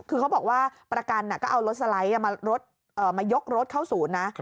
คือเขาบอกว่าประกันก็เอารถสไลด์มายกรถเข้าศูนย์นะ